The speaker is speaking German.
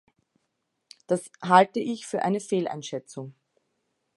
Das halte ich für eine Fehleinschätzung.